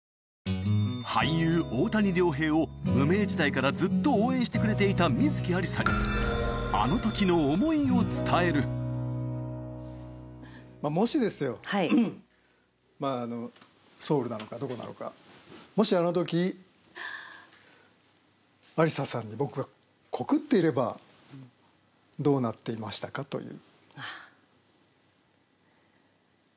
俳優、大谷亮平を無名時代からずっと応援してくれていた観月ありさに、もしですよ、ソウルなのかどこなのか、もしあのとき、ありささんに僕が告っていればどうなっていましたか？という。